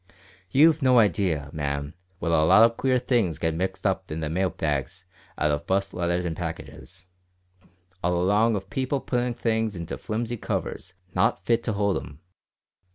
You've no idea, ma'am, what a lot o' queer things get mixed up in the mail bags out of bust letters and packages all along of people puttin' things into flimsy covers not fit to hold 'em.